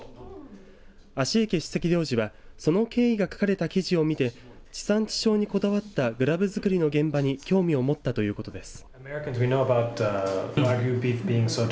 アシーケ首席領事はその経緯が書かれた記事を見て地産地消にこだわったグラブ作りの現場に興味を持ったということです。